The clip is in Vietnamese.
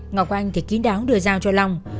ngọc anh thì kín đáo đưa dao cho long